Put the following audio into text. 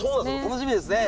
楽しみですね。